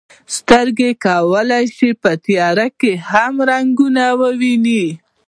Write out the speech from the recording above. سترګې کولی شي په تیاره کې هم رنګونه وویني.